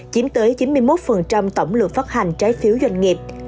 chiếm tới chín mươi một tổng lượng phát hành trái phiếu doanh nghiệp